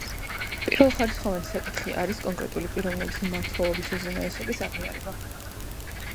პირველხარისხოვანი საკითხი არის კონკრეტული პიროვნების მმართველობის უზენაესობის აღიარება.